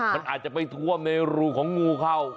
มันอาจจะไปท่วมในรูของงูเข้า